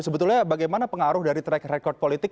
sebetulnya bagaimana pengaruh dari track record politik